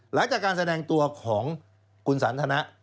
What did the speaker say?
หลังจากการแสดงตัวของคุณสันทนะ